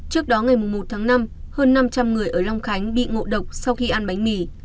trước đó ngày một tháng năm hơn năm trăm linh người ở long khánh bị ngộ độc sau khi ăn bánh mì